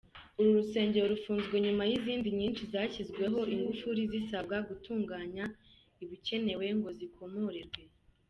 Uru rusengero rufunzwe nyuma y’izindi nyinshi zashyizweho ingufuri zisabwa gutunganya ibikenewe ngo zikomorerwe.